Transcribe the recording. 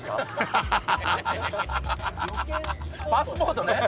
旅券、パスポートね。